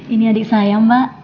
ini adik saya mbak